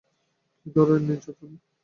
কী ধরণের নির্যাতন?